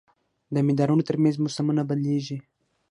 د مدارونو تر منځ موسمونه بدلېږي.